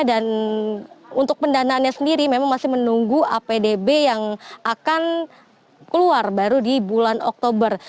dan untuk pendanaannya sendiri memang masih menunggu apdb yang akan keluar baru di bulan oktober